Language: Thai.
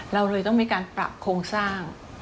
เราเลยต้องมีการปรับโครงสร้าง